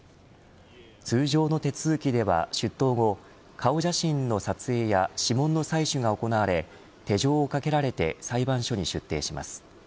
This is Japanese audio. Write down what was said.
通常の手続きでは出頭後顔写真の撮影や指紋の採取が行われ手錠をかけられて裁判所に出廷します。